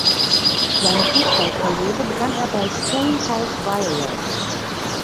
Seine Fußballkarriere begann er bei "Stonehouse Violet".